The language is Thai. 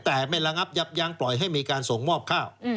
แต่ไม่ระงับยับยั้งปล่อยให้มีการส่งมอบข้าว